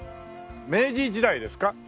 明治時代ですか？